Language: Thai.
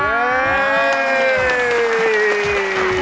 เย่